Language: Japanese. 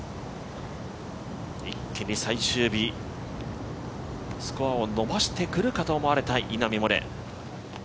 一気に最終日、スコアを伸ばしてくるかと思われた稲見萌寧。